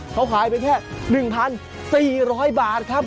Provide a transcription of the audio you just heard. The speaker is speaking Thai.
เขาขายไปแค่๑๔๐๐บาทครับ